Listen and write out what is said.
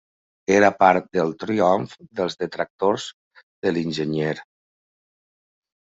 Era part del triomf dels detractors de l'enginyer.